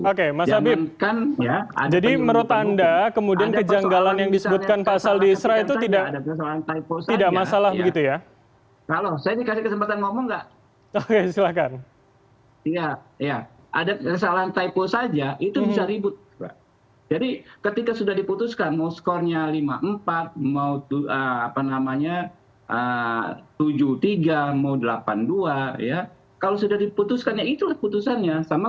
oke mas habib jadi menurut anda kemudian kejanggalan yang disebutkan pasal di israel itu tidak masalah begitu ya